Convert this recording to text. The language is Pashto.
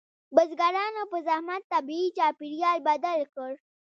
بزګرانو په زحمت طبیعي چاپیریال بدل کړ.